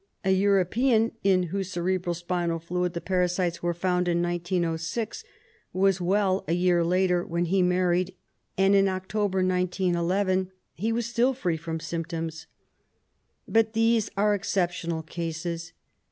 A European, in whose cerebro spinal fluid the parasites were found in 1906, was well a year later, when he married, and in October, 1911, he was still free from symptoms. But these are exceptional cases.